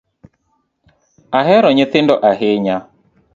Ahero nyithindo ahinya.